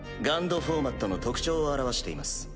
フォーマットの特徴を表しています。